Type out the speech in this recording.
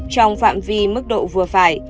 trong phạm vi mức độ vừa phải